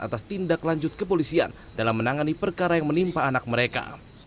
atas tindak lanjut kepolisian dalam menangani perkara yang menimpa anak mereka